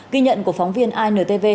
ghi nhận của phóng viên intv